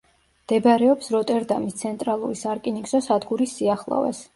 მდებარეობს როტერდამის ცენტრალური სარკინიგზო სადგურის სიახლოვეს.